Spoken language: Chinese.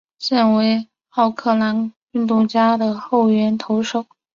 现为奥克兰运动家的后援投手。